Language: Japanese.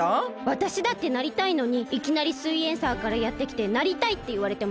わたしだってなりたいのにいきなり「すイエんサー」からやってきて「なりたい」っていわれてもこまります！